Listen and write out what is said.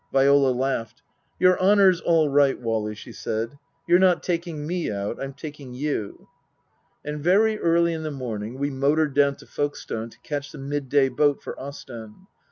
Viola laughed. " Your honour's all right, Wally," she said. " You're not taking me out ; I'm taking you." And very early in the morning we motored down to Folkestone to catch the midday boat for Ostend.